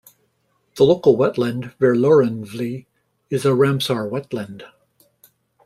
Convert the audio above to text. The local wetland, Verloerenvlei, is a Ramsar wetland.